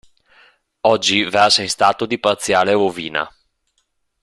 Oggi versa in stato di parziale rovina.